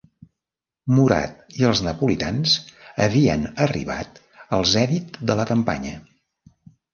Murat i els napolitans havien arribat al zenit de la campanya.